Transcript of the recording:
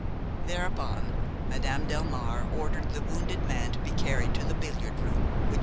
Thereupon Madame Delmare ordered the wounded man to be carried to the billiard room, which was nearest.